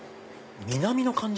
南の感じ？